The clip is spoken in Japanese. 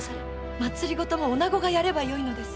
政もおなごがやればよいのです。